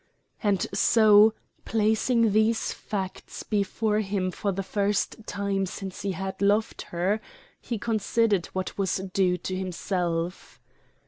And so, placing these facts before him for the first time since he had loved her, he considered what was due to himself.